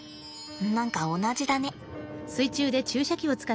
何か同じだね。